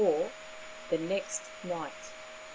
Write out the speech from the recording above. THE NEXT NIGHT. Mr.